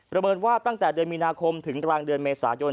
เมินว่าตั้งแต่เดือนมีนาคมถึงกลางเดือนเมษายน